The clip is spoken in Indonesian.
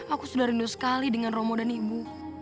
aku sudah rindu sekali dengan romo dan ibu